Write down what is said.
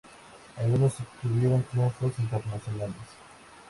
Algunos obtuvieron triunfos internacionales.